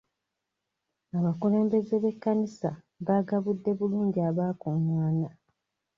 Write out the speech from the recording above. Abakulembeze b'ekkanisa baagabudde bulungi abaakungaana.